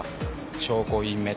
証拠隠滅？